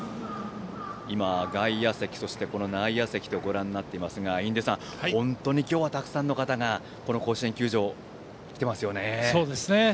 今、外野席、そして内野席が映っていますが、印出さん本当に今日はたくさんの方がこの甲子園球場に来ていますよね。